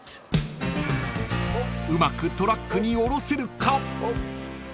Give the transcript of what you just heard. ［うまくトラックにおろせるか？］